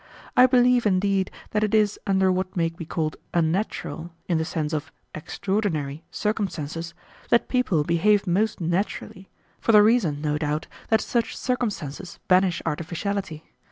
I believe indeed that it is under what may be called unnatural, in the sense of extraordinary, circumstances that people behave most naturally, for the reason, no doubt, that such circumstances banish artificiality.